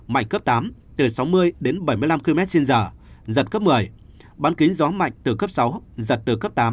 mạnh cấp tám từ sáu mươi đến bảy mươi năm km trên giờ giật cấp một mươi bán kính gió mạnh từ cấp sáu giật từ cấp tám